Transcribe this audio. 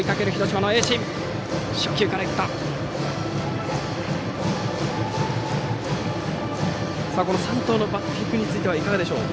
山藤のバッティングについてはいかがでしょう。